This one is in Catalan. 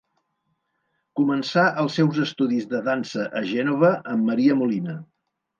Començà els seus estudis de dansa a Gènova amb Maria Molina.